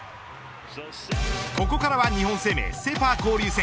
ここからは日本生命セ・パ交流戦。